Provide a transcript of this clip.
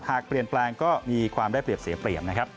หากเปลี่ยนแปลงก็มีความได้เปรียบเสียเปรียบนะครับ